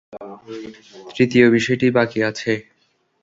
তৃতীয় বিষয়টি বাকি আছে।